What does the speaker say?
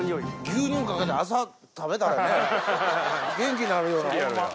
牛乳かけて朝食べたらね元気になるような。